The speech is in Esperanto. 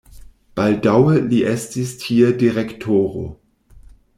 Baldaŭe li estis tie direktoro.